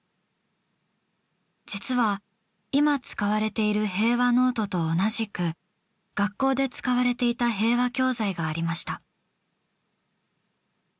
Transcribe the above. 実は今使われている平和ノートと同じく学校で使われていた平和教材がありました。